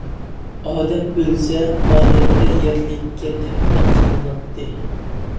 ئادەم ئۆلسە، ئادەتتە يەرلىككە دەپنە قىلىناتتى.